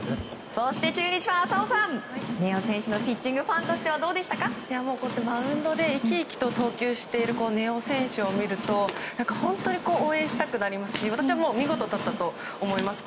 そして中日ファン浅尾さん、根尾選手のピッチングマウンドで生き生きと投球している根尾選手を見ると本当に応援したくなりますし私は見事だったと思います。